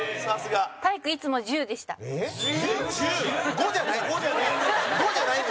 ５じゃないの？